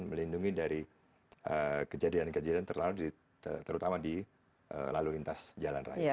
melindungi dari kejadian kejadian terutama di lalu lintas jalan raya